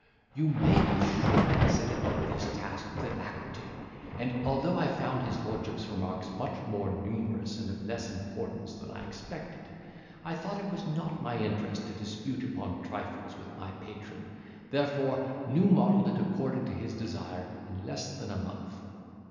You may be sure I set about this task with alacrity; and although I found his lordship's remarks much more numerous and of less importance than I expected, I thought it was not my interest to dispute upon trifles with my patron; therefore new modelled it according to his desire in less than a month.